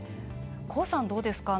ＫＯＯさん、どうですか？